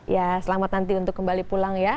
ya selamat nanti untuk kembali pulang ya